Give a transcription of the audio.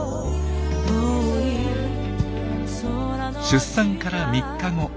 出産から３日後。